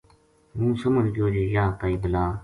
ہوں سمجھ گیو جے یاہ کائی بلا